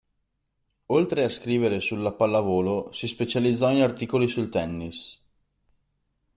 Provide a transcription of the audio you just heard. Oltre a scrivere sulla pallavolo, si specializzò in articoli sul tennis.